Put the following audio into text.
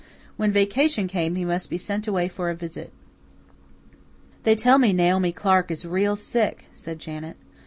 When vacation came he must be sent away for a visit. "They tell me Naomi Clark is real sick," said Janet.